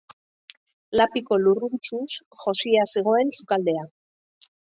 Lapiko lurruntsuz josia zegoen sukaldea.